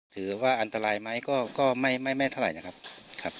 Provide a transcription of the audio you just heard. ถือว่าอันตรายไหมก็ก็ไม่ไม่ไม่เท่าไหร่นะครับครับ